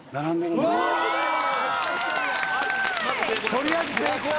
とりあえず成功や！